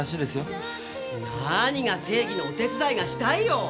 なーにが「正義のお手伝いがしたい」よ